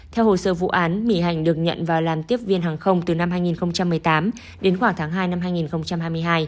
theo hồ sơ vụ án mỹ hành được nhận vào làm tiếp viên hàng không từ năm hai nghìn một mươi tám đến khoảng tháng hai năm hai nghìn hai mươi hai